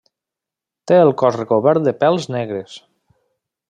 Té el cos recobert de pèls negres.